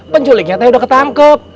penculiknya teh udah ketangkep